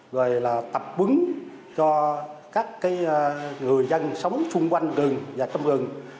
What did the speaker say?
rồi là tập bứng cho các người dân sống xung quanh rừng và trong rừng